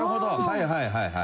はいはいはいはい」